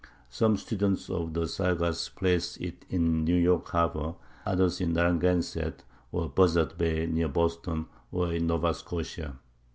Some students of the sagas place it in New York harbor, others in Narragansett or Buzzard's bay, near Boston, or in Nova Scotia.